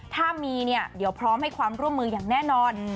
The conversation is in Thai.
ถ้ามีเนี่ยเดี๋ยวพร้อมให้ความร่วมมืออย่างแน่นอน